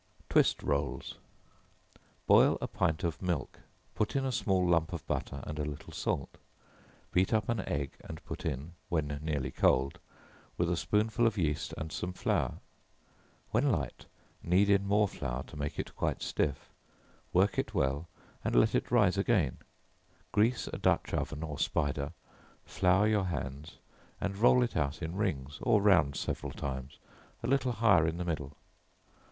Twist Rolls. Boil a pint of milk, put in a small lump of butter and a little salt; beat up an egg and put in, when nearly cold, with a spoonful of yeast and some flour; when light, knead in more flour to make it quite stiff; work it well, and let it rise again; grease a dutch oven or spider, flour your hands, and roll it out in rings, or round several times, a little higher in the middle.